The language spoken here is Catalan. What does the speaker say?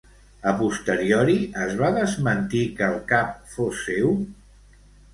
A posteriori es va desmentir que el cap fos seu?